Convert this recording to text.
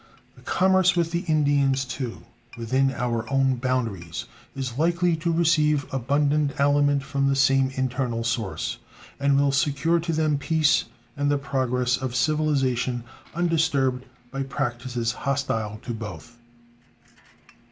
The commerce with the Indians, too, within our own boundaries is likely to receive abundant aliment from the same internal source, and will secure to them peace and the progress of civilization, undisturbed by practices hostile to both.